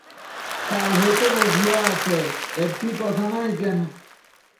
কাল হইতে বসিয়া আছে, একটি কথা নাই কেন!